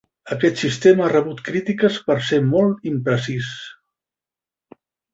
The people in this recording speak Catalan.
Aquest sistema ha rebut crítiques per ser molt imprecís.